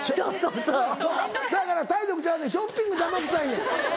そやから体力ちゃうねんショッピング邪魔くさいねん。